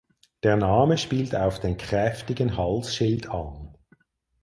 Der Name spielt auf den kräftigen Halsschild an.